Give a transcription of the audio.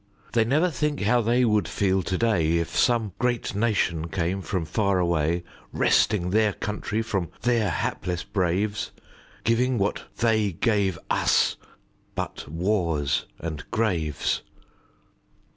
They never think how they would feel to day, If some great nation came from far away, Wresting their country from their hapless braves, Giving what they gave us but wars and graves.